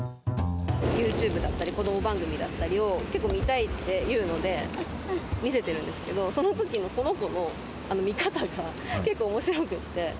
ユーチューブだったり、子ども番組だったりを結構見たいって言うので、見せてるんですけど、そのときのこの子の見方が結構おもしろくって。